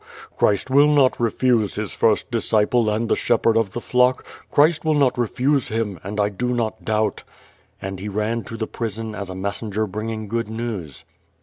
Christ will not refuse his first disciple and the shepherd of the tlock. Christ will not refuse him, and 1 do not doubt." And he ran to the prison as a messenger bringing good news.